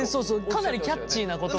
かなりキャッチーなことは。